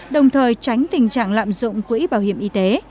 đồng thời tránh tình trạng lạm dụng quỹ bảo hiểm y tế